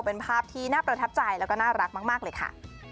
เป็นภาพที่น่าประทับใจแล้วก็น่ารักมากเลยค่ะ